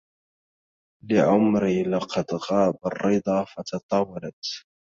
لعمري لقد غاب الرضا فتطاولت